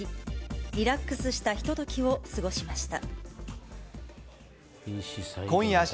リラックスしたひとときを過ごしました。